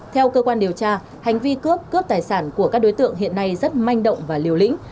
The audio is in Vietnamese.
theo cơ quan điều tra hành vi cướp cướp tài sản của các đối tượng hiện nay rất manh động và liều lĩnh